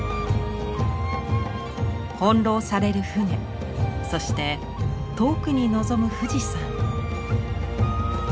翻弄される船そして遠くに望む富士山。